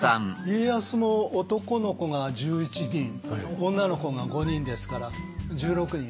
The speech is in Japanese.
家康も男の子が１１人女の子が５人ですから１６人。